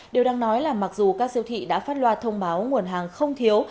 điều đang nói là mặc dù các siêu thị đã phát loa thông báo nguồn hàng không thiếu